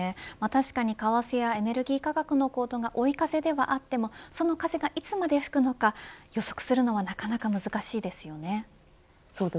確かに為替やエネルギー価格の高騰が追い風ではあってもその風がいつまで吹くのか予測するのはなかなか難しいですよね。